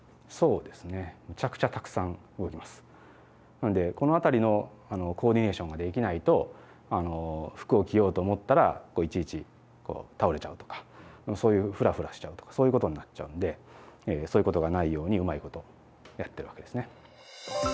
なのでこの辺りのコーディネーションができないと服を着ようと思ったらいちいち倒れちゃうとかそういうフラフラしちゃうとかそういうことになっちゃうんでそういうことがないようにうまいことやってるわけですね。